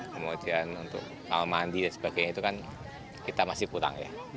kemudian untuk mandi dan sebagainya itu kan kita masih kurang ya